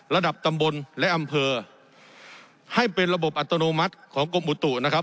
ระดับตำบลและอำเภอให้เป็นระบบอัตโนมัติของกรมอุตุนะครับ